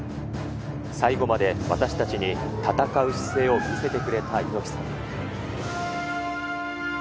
最後まで私たちに闘う姿勢を見せてくれた猪木さん。